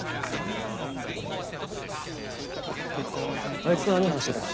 あいつと何話してた？